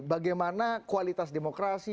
bagaimana kualitas demokrasi